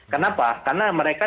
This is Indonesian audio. kenapa karena mereka